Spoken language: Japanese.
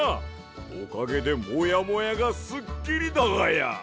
おかげでモヤモヤがすっきりだがや。